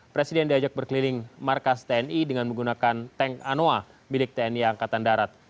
presiden diajak berkeliling markas tni dengan menggunakan tank anoa milik tni angkatan darat